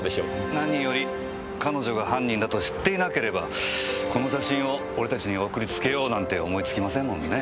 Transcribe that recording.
何より彼女が犯人だと知っていなければこの写真を俺たちに送りつけようなんて思いつきませんもんね。